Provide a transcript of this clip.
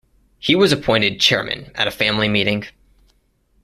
He was appointed chairman at a family meeting.